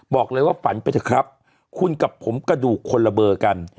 บอกเลยว่าฝันไปเถอะครับคุณกับผมกระดูกคนละเบอร์กัน